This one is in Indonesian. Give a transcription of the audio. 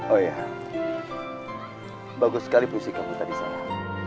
oh iya bagus sekali puisi kamu tadi sarah